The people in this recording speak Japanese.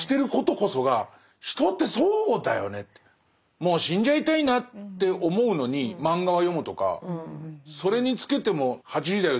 もう死んじゃいたいなって思うのに漫画は読むとかそれにつけても「８時だョ！